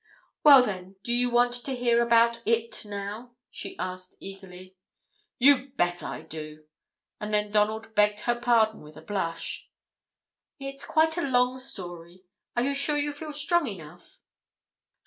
"Well, then, do you want to hear about it now?" she asked eagerly. "You bet I do," and then Donald begged her pardon with a blush. "It's quite a long story; are you sure you feel strong enough?"